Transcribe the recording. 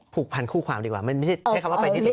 ผูกพันคู่ความดีกว่าไม่ใช่ใช้คำว่าไปที่สุด